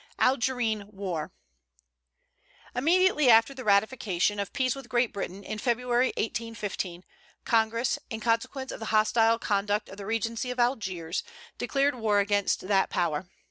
ALGERINE WAR. Immediately after the ratification of peace with Great Britain, in February 1815, Congress, in consequence of the hostile conduct of the regency of Algiers, declared war against that power.